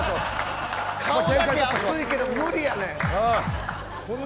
顔だけ熱いけど無理やねん。